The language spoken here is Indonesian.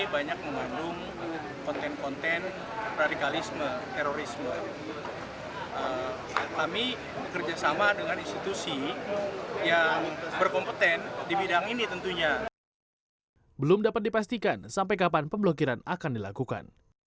belum dapat dipastikan sampai kapan pemblokiran akan dilakukan